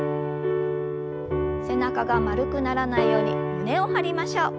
背中が丸くならないように胸を張りましょう。